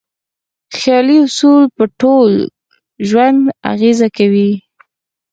خیالي اصول په ټول ژوند اغېزه کوي.